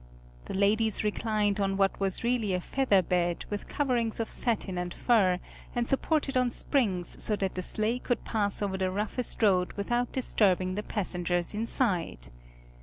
The ladies reclined on what was really a feather bed, with coverings of satin and fur, and supported on springs so that the sleigh could pass over the roughest road without disturbing the passengers inside.